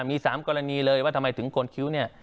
มี๓กรณีเลยว่าทำไมถึงกดคิ้วเนี่ย